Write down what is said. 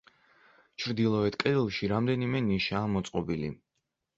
ჩრდილოეთ კედელში რამდენიმე ნიშაა მოწყობილი.